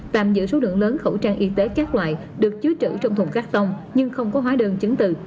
tạm giữ số lượng lớn khẩu trang y tế các loại được chứa trữ trong thùng cắt tông nhưng không có hóa đơn chứng từ